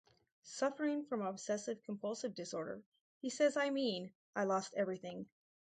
Suffering from obsessive-compulsive disorder, he says I mean, I lost everything.